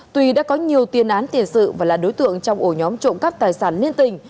tuy đã có nhiều tiền án tiền sự và là đối tượng trong ổ nhóm trộm cắp tài sản liên tình